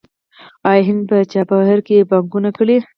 آیا هند په چابهار کې پانګونه کړې؟